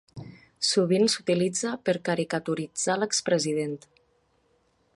Sovint s'utilitza per caricaturitzar l'expresident.